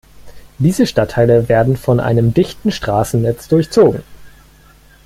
Diese Stadtteile werden von einem dichten Straßennetz durchzogen.